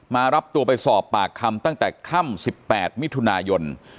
มารับตัวไปสอบปากคำตั้งแต่ค่ำ๑๘มิถุนายน